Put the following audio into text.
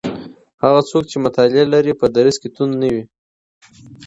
هغه څوک چي مطالعه لري په دریځ کي توند نه وي.